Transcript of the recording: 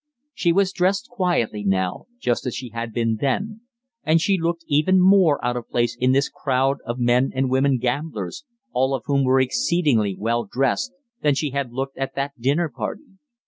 She was dressed quietly now, just as she had been then, and she looked even more out of place in this crowd of men and women gamblers, all of whom were exceedingly well dressed, than she had looked at that dinner party.